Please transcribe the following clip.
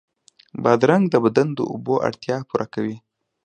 بادرنګ د بدن د اوبو اړتیا پوره کوي.